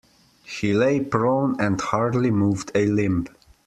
He lay prone and hardly moved a limb.